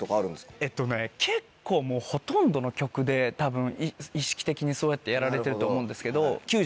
えっとね結構ほとんどの曲で多分意識的にそうやってやられてると思うんですけど。